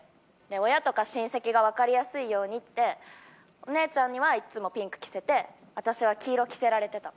親とか親戚がわかりやすいようにってお姉ちゃんにはいつもピンク着せて私は黄色着せられてたの。